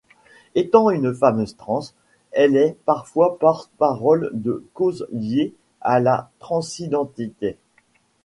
Étant une femme trans, elle est parfois porte-parole de causes liées à la transidentité.